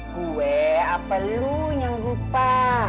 gue apa lu yang lupa